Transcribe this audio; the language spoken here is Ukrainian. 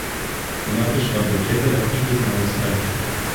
Вона пішла до вчителя і дізналася решту.